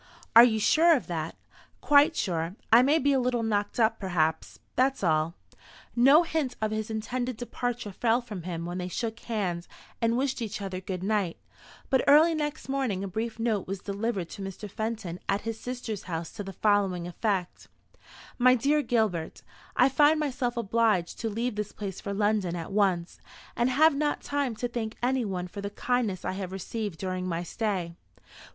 "Are you sure of that?" "Quite sure. I may be a little knocked up perhaps; that's all." No hint of his intended departure fell from him when they shook hands and wished each other good night; but early next morning a brief note was delivered to Mr. Fenton at his sister's house to the following effect: "MY DEAR GILBERT, I find myself obliged to leave this place for London at once, and have not time to thank anyone for the kindness I have received during my stay.